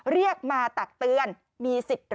เรียกมาตักเตือนมีสิทธิ์